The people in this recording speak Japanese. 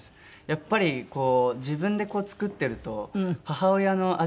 やっぱり自分で作ってると母親の味が。